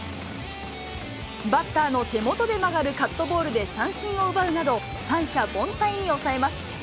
バッターの手元で曲がるカットボールで三振を奪うなど、三者凡退に抑えます。